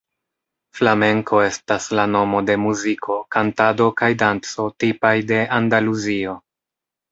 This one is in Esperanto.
Flamenko estas la nomo de muziko, kantado kaj danco tipaj de Andaluzio.